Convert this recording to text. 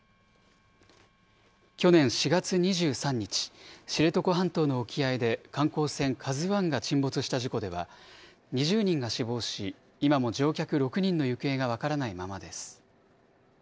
去年４月２３日、知床半島の沖合で観光船ＫＡＺＵＩが沈没した事故では、２０人が死亡し、今も乗客６人の行方が分からないままです。